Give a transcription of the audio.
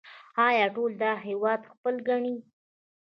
آیا ټول دا هیواد خپل ګڼي؟